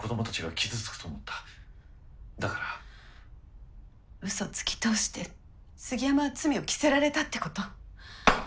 ウソつき通して杉山は罪を着せられたってこと？